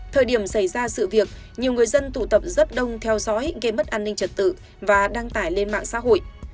thời điểm xảy ra sự việc nhiều người dân tụ tập rất đông theo dõi gây mất an ninh trật tự và đăng tải lên mạng xã hội